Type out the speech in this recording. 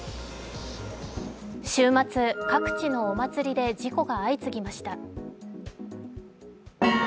週末、各地のお祭りで事故が相次ぎました。